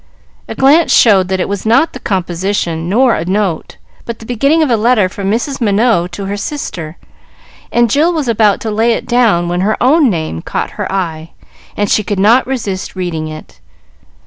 A glance showed that it was not the composition nor a note, but the beginning of a letter from Mrs. Minot to her sister, and Jill was about to lay it down when her own name caught her eye, and she could not resist reading it.